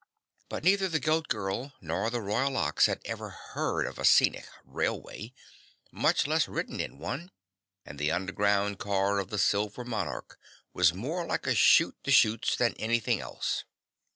But neither the Goat Girl nor the Royal Ox had ever heard of a scenic railway, much less ridden in one, and the underground car of the Silver Monarch was more like a chute the chutes than anything else.